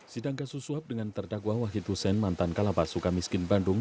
sidang kasus suap dengan terdakwa wahid hussein mantan kalabas sukamiskin bandung